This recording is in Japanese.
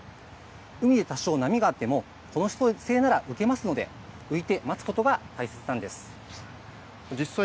海で多少波があっても、その姿勢なら浮きますので、浮いて待つことが大切なんです。